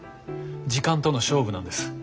時間との勝負なんです。